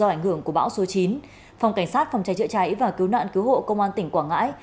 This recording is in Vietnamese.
sau khi cơn bão số chín phòng cảnh sát phòng trái trợ cháy và cứu nạn cứu hộ công an tỉnh quảng ngãi